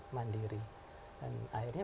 mandiri dan akhirnya